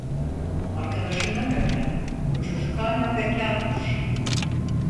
Arkadaşından öğrendim, o çocuk hala bekârmış.